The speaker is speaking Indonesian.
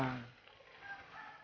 acing kos di rumah aku